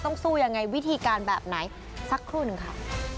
สู้ยังไงวิธีการแบบไหนสักครู่หนึ่งค่ะ